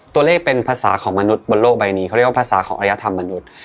ตัวเลขเป็นภาษาของมนุษย์บนโลกใบนี้เขาเรียกว่าภาษาของอรยธรรมมนุษย์